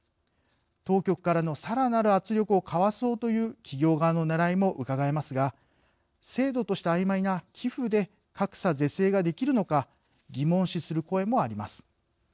当局からのさらなる圧力をかわそうという企業側のねらいもうかがえますが制度としてあいまいな寄付で格差是正ができるのか疑問視する声もあります。